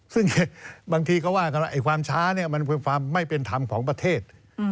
ซึ่งบางทีก็ว่ากันว่าความช้าเนี่ยมันเป็นความไม่เป็นธรรมของประเทศ